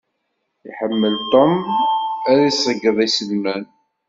Iḥemmel Tom ad d-iṣeyyed iselman.